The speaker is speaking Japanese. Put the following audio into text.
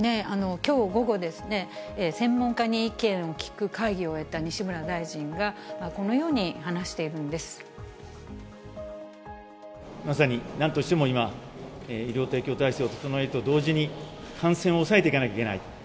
きょう午後ですね、専門家に意見を聞く会議を終えた西村大臣はこのように話しているまさになんとしても今、医療提供体制を整えると同時に、感染を抑えていかなきゃいけない。